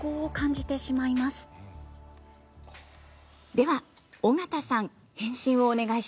では尾形さん返信をお願いします。